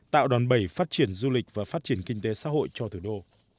tạo đòn bẩy phát triển du lịch và phát triển kinh tế xã hội cho thủ đô